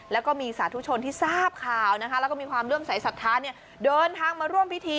แล้วก็มีสาธุชนที่ทราบข่าวนะคะแล้วก็มีความเลื่อมสายศรัทธาเดินทางมาร่วมพิธี